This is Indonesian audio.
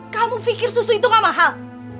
kamu pikir susu itu gak mahal